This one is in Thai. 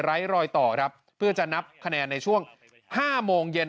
รอยต่อครับเพื่อจะนับคะแนนในช่วง๕โมงเย็น